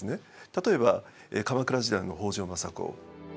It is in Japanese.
例えば鎌倉時代の北条政子。